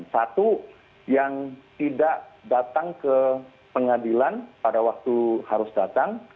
satu yang tidak datang ke pengadilan pada waktu harus datang